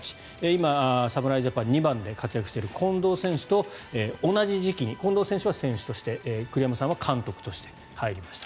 今、侍ジャパン２番で活躍している近藤選手と同じ時期に近藤選手は選手として栗山さんは監督として入りました。